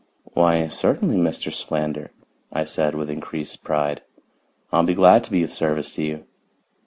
"Why, certainly, Mr. Solander," I said with increased pride. "I'll be glad to be of service to you."